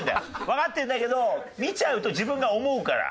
わかってるんだけど見ちゃうと自分が思うから。